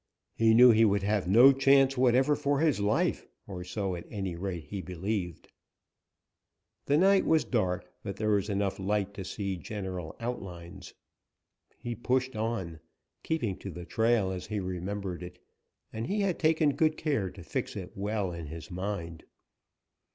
He knew he would have no chance whatever for his life, or so, at any rate, he believed. The night was dark, but there was enough light to see general outlines. He pushed on, keeping to the trail as he remembered it, and he had taken good care to fix it well in his mind.